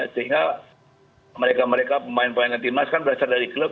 sehingga mereka mereka pemain pemain timnas kan berasal dari klub